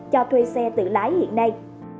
cho thuê xe tự lái hiện nay